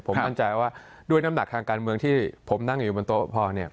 ผมมั่นใจว่าด้วยน้ำหนักทางการเมืองที่ผมนั่งอยู่บนโต๊ะพอเนี่ย